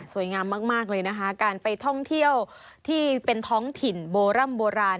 งามมากเลยนะคะการไปท่องเที่ยวที่เป็นท้องถิ่นโบร่ำโบราณ